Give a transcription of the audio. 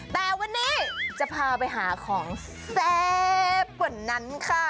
แต่วันนี้จะพาไปหาของแซ่บกว่านั้นค่ะ